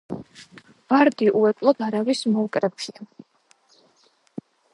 ვარდი უეკლოდ არავის მოუკრეფია.